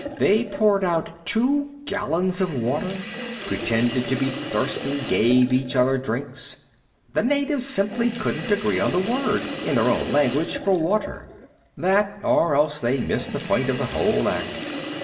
They poured out two gallons of water, pretended to be thirsty, gave each other drinks. The natives simply couldn't agree on the word, in their own language, for water. That or else they missed the point of the whole act.